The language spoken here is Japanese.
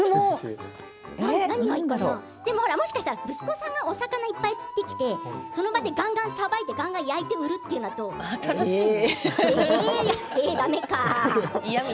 もしかしたら息子さんがお魚をいっぱい釣ってきてその場でがんがんさばいてがんがん焼いてるというのは嫌みたい。